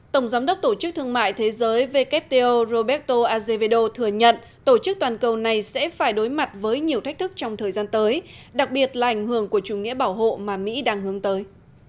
tổng giám đốc tổ chức thương mại thế giới wto roberto azevedo thừa nhận tổ chức toàn cầu này sẽ phải đối mặt với nhiều thách thức trong thời gian tới đặc biệt là ảnh hưởng của chủ nghĩa bảo hộ mà mỹ đang hướng tới